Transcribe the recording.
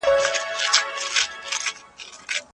هر هيواد بايد د پناه غوښتونکو حقونو ته پاملرنه وکړي.